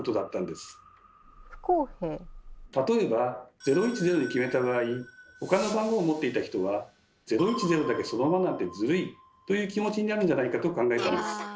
例えば「０１０」に決めた場合他の番号を持っていた人は「『０１０』だけそのままなんてズルい」という気持ちになるんじゃないかと考えたんです。